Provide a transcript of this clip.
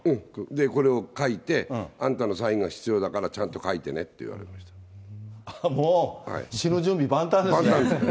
これを書いて、あんたのサインが必要だから、ちゃんと書いてもう、死ぬ準備万端ですね。